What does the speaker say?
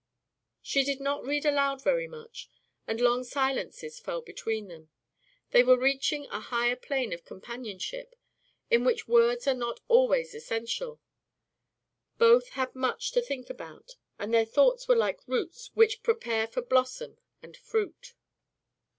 She did not read aloud very much, and long silences fell between them. They were reaching a higher plane of companionship, in which words are not always essential. Both had much to think about, and their thoughts were like roots which prepare for blossom and fruit.